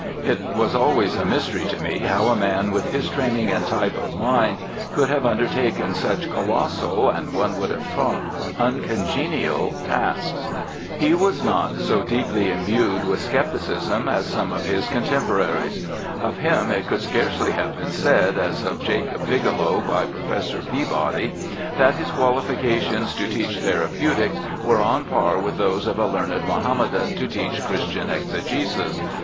It was always a mystery to me how a man with his training and type of mind could have undertaken such colossal and, one would have thought, uncongenial tasks. He was not so deeply imbued with scepticism as some of his con temporaries. Of him it could scarcely have been said, as of Jacob Bigelow by Professor Peabody, that his 242 BIOGRAPHICAL ESSAYS qualifications to teach therapeutics were on a par with those of a learned Mohammedan to teach Christian exegesis.